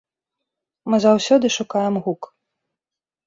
Мы заўсёды шукаем гук.